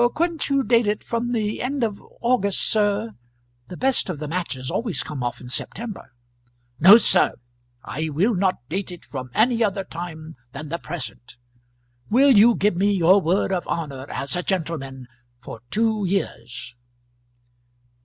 "Couldn't you date it from the end of August, sir? The best of the matches always come off in September." "No, sir; I will not date it from any other time than the present. Will you give me your word of honour as a gentleman, for two years?"